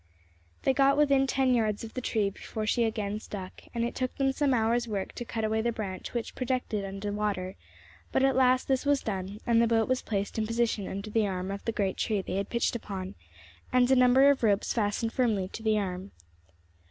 They got within ten yards of the tree before she again stuck, and it took them some hours' work to cut away the branch which projected under water; but at last this was done, and the boat was placed in position under the arm of the great tree they had pitched upon, and a number of ropes fastened firmly to the arm.